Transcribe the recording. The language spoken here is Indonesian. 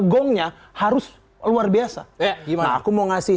gongnya harus luar biasa gimana aku mau ngasih